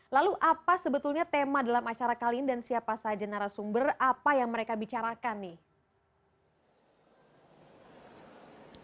lalu apa sebetulnya tema dalam acara kali ini dan siapa saja narasumber apa yang mereka bicarakan nih